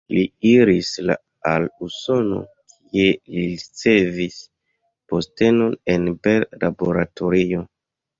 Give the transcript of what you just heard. Li iris al Usono, kie li ricevis postenon en Bell Laboratorio.